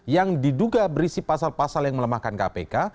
yang diduga berisi pasal pasal yang melemahkan kpk